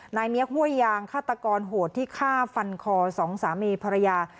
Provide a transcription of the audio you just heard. นายเเมี๊กห้วยยางฆาตกรโหดที่ข้าวฟันคอ๒สามีพรรยา